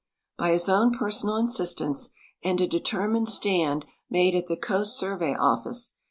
B}^ his own ))ersonal insistence and a determined stand made at the Coast Survey office